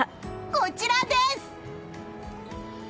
こちらです！